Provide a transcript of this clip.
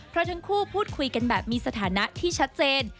เพราะทั้งคู่พูดคุยกันแบบมีสถานะที่ชัดเจน